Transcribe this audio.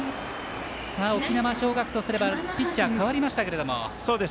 沖縄尚学とすればピッチャー代わりましたけども。